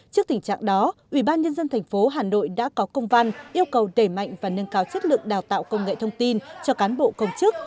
trước tình trạng đó ubnd tp hà nội đã có công văn yêu cầu đẩy mạnh và nâng cao chất lượng đào tạo công nghệ thông tin cho cán bộ công chức